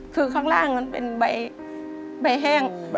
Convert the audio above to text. คือข้างล่างมันเป็นใบแห้ง